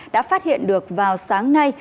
đã phát hiện được vào sáng nay